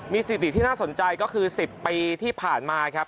สิทธิที่น่าสนใจก็คือ๑๐ปีที่ผ่านมาครับ